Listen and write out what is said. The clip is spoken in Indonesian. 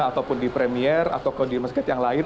ataupun di premier atau di rumah sakit yang lain